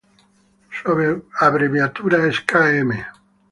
Su abreviatura es km.